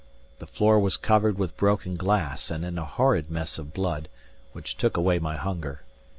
The floor was covered with broken glass and in a horrid mess of blood, which took away my hunger.